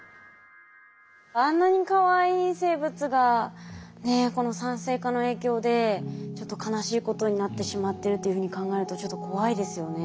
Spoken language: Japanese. あんなにかわいい生物がこの酸性化の影響でちょっと悲しいことになってしまってるっていうふうに考えるとちょっと怖いですよね。